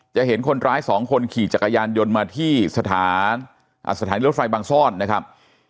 เห็นคนร้ายสองคนขี่จักรยานยนต์มาที่สถานีรถไฟบางซ่อนนะครับ